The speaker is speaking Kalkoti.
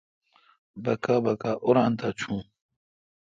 بکا بکا اوران تھا چون